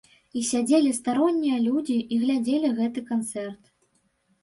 І сядзелі староннія людзі і глядзелі гэты канцэрт.